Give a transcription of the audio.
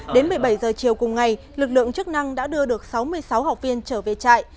đến một mươi bảy giờ chiều cùng ngày lực lượng chức năng đã đưa được sáu mươi sáu học viên trở về trại